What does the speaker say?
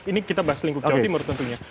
ini kita bahas selingkup jawa timur tentunya